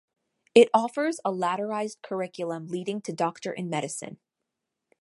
It offers a ladderized curriculum leading to Doctor in Medicine.